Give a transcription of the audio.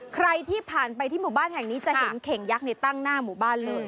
ใครที่ผ่านไปที่หมู่บ้านแห่งนี้จะเห็นเข่งยักษ์ตั้งหน้าหมู่บ้านเลย